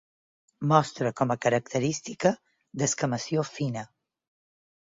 Mostra com a característica descamació fina.